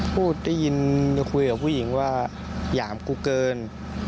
พูดได้ยินคุยกับผู้หญิงว่าหยามกูเกิน